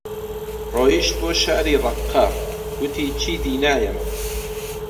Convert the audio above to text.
ڕۆیشت بۆ شاری ڕەققە، گوتی چیدی نایەم